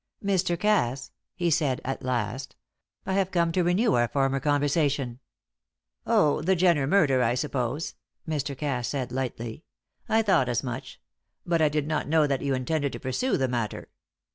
"Mr. Cass," he said, at last, "I have come to renew our former conversation." "Oh, the Jenner murder, I suppose?" Mr. Cass said, lightly. "I thought as much; but I did not know that you intended to pursue the matter."